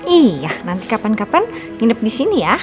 iya nanti kapan kapan nginep di sini ya